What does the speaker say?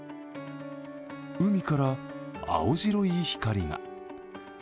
海から青白い光が。